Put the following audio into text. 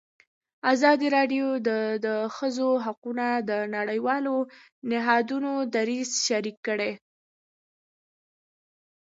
ازادي راډیو د د ښځو حقونه د نړیوالو نهادونو دریځ شریک کړی.